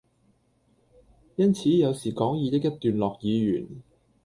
因此有時講義的一段落已完，